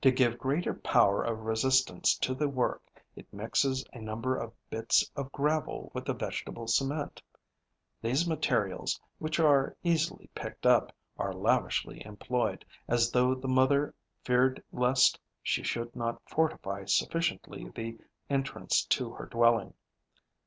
To give greater power of resistance to the work, it mixes a number of bits of gravel with the vegetable cement. These materials, which are easily picked up, are lavishly employed, as though the mother feared lest she should not fortify sufficiently the entrance to her dwelling.